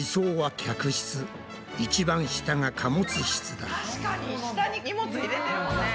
確かに下に荷物入れてるもんね。